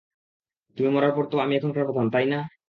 তুমি মরার পর তো, আমি এখানকার প্রধান, তাই না?